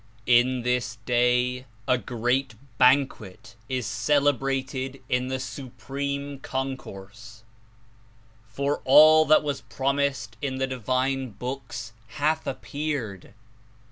"In this Day a great banquet is celebrated in the Supreme Concourse; for all that was promised In the Divine Books hath appeared.